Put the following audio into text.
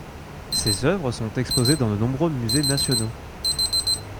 Ses œuvres sont exposées dans de nombreux musées nationaux.